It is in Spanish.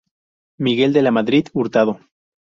Miguel de la Madrid Hurtado.